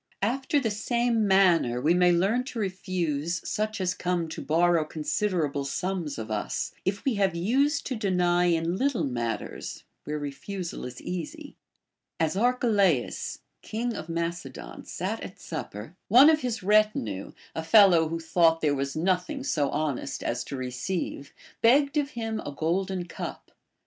After the same manner we may learn to refuse such as come to borrow considerable sums of us, if we have used to deny in little matters where refusal is easy. As Arche laus, king of Macedon, sat at supper, one of his retinue, a fellow who thought there was nothing so honest as to re ceive, begged of him a golden cup.